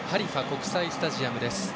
国際スタジアムです。